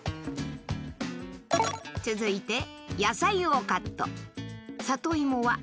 続いて野菜をカット。